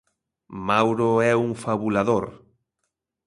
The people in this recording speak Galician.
Mauro é un fabulador.